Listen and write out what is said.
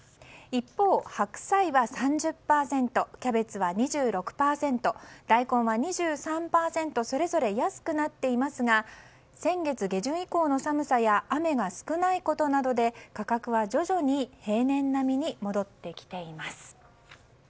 一方、白菜は３０％キャベツは２６％大根は２３％、それぞれ安くなっていますが先月下旬以降の寒さや雨が少ないことなどで価格は徐々に平年並みに戻ってきています。